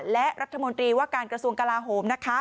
และรัฐมนตรีว่าการกระทรวงกลาโหมนะคะ